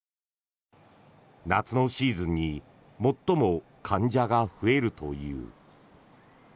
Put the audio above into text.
夏のシーズンに最も患者が増えるという。